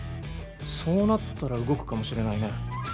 そうなったら動くかもしれないね